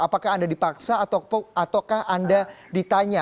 apakah anda dipaksa ataukah anda ditanya